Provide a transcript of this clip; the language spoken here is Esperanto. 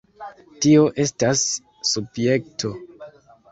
Tio estas... subjekto.